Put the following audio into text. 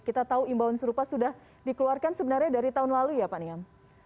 kita tahu imbauan serupa sudah dikeluarkan sebenarnya dari tahun lalu ya pak niam